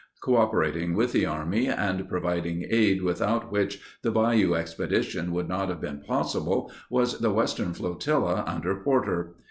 Cooperating with the army, and providing aid without which the bayou expeditions would not have been possible, was the Western Flotilla under Porter.